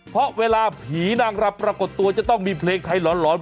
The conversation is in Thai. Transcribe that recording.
เพราะเวลาผีนางรำปรากฏตัวจะต้องมีเพลงไทยหลอน